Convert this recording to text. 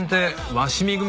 鷲見組？